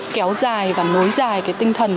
kéo dài và nối dài cái tinh thần